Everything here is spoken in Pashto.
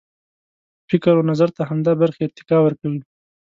فکر و نظر ته همدا برخې ارتقا ورکوي.